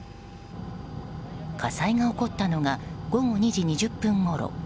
火災が起こったのが午後２時２０分ごろ。